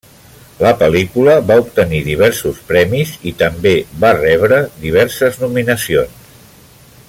La pel·lícula va obtenir diversos premis i també va rebre diverses nominacions.